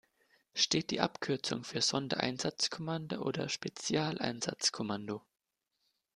Steht die Abkürzung für Sondereinsatzkommando oder für Spezialeinsatzkommando?